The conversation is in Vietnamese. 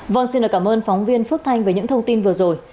vâng xin cảm ơn phóng viên phước thanh về những thông tin vừa rồi